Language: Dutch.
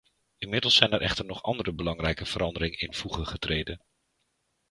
Inmiddels zijn er echter nog andere belangrijke veranderingen in voege getreden.